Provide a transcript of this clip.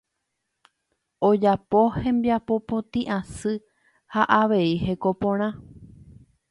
Ojapo hembiapo potĩ asy ha avei heko porã.